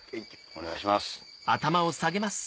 お願いします。